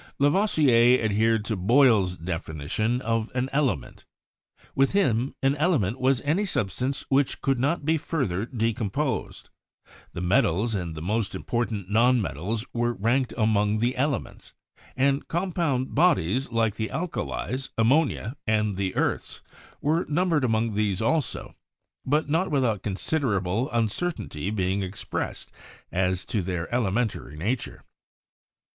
Lavoisier adhered to Boyle's definition of an element. With him, an element was any substance which could not be further decomposed. The metals and the most impor tant non metals were ranked among the elements; and compound bodies like the alkalies, ammonia and the earths were numbered among these also, but not without consid erable uncertainty being expressed as to their elementary nature.